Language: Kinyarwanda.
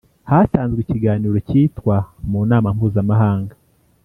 Hatanzwe ikiganiro cyitwa mu Nama Mpuzamahanga